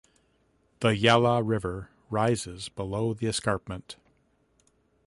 The Yala River rises below the escarpment.